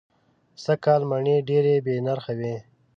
سږ کال مڼې دېرې بې نرخه وې.